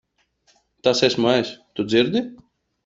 Tas esmu es. Tu dzirdi?